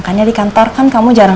kan udah kata kan dulu aku